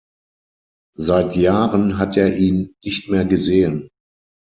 Seit Jahren hat er ihn nicht mehr gesehen.